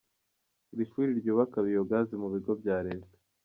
Iri shuri ryubaka biyogazi mu bigo bya Leta.